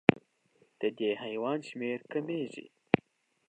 د دې حیوان شمېره کمېږي.